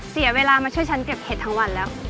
เสียเวลามาช่วยฉันเก็บเห็ดทั้งวันแล้ว